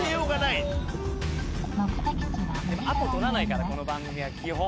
アポ取らないからこの番組は基本。